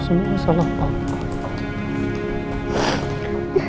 semua salah pak